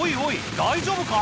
大丈夫か？